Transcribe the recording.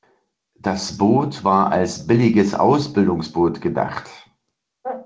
Das Boot war als billiges Ausbildungsboot gedacht.